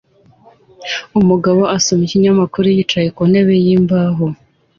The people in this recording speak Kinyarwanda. Umugabo asoma ikinyamakuru yicaye ku ntebe yimbaho